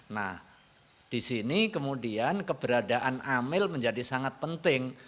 nah di sini kemudian keberadaan amel menjadi sangat penting